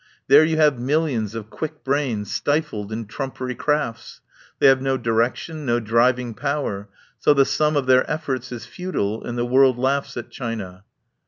There you have millions of quick brains stifled in trumpery crafts. They have no direction, no driving power, so the sum of their efforts is futile, and the world laughs at China.